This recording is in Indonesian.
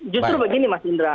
justru begini mas indra